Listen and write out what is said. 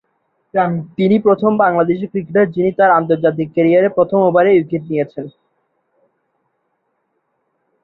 তিনি প্রথম বাংলাদেশী ক্রিকেটার যিনি তার আন্তর্জাতিক ক্যারিয়ারে প্রথম ওভারেই উইকেট নিয়েছেন।